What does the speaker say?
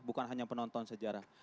bukan hanya penonton sejarah